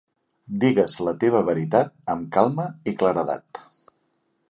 Digues la teva veritat amb calma i claredat.